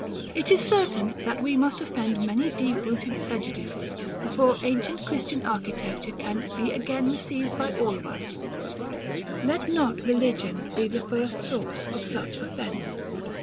It is certain that we must offend many deep rooted prejudices, before ancient Christian architecture can be again received by all of us: let not religion be the first source of such offence.